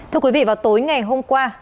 thưa quý vị vào tối ngày hôm qua